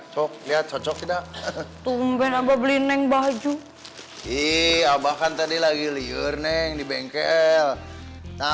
sok lihat cocok tidak tumben apa beli neng baju iya bahkan tadi lagi liur neng di bengkel nah